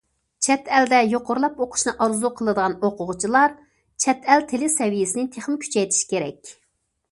چەت ئەلدە يۇقىرىلاپ ئوقۇشنى ئارزۇ قىلىدىغان ئوقۇغۇچىلار چەت ئەل تىلى سەۋىيەسىنى تېخىمۇ كۈچەيتىشى كېرەك.